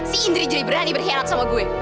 si indri jadi berani berkhianat sama gue